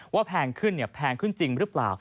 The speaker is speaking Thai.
ว่าแพงขึ้นเนี่ยแพงขึ้นจริงหรือเปล่า